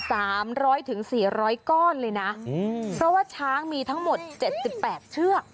สามร้อยถึงสี่ร้อยก้อนเลยนะอืมเพราะว่าช้างมีทั้งหมดเจ็ดสิบแปดเชือก